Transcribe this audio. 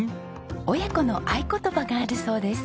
親子の合言葉があるそうです。